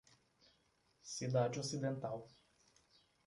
Cidade Ocidental